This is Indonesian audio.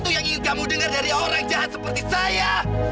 itu yang ingin kamu dengar dari orang jahat seperti saya